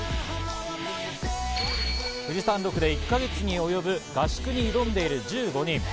富士山麓で１か月に及ぶ合宿に挑んでいる１５人。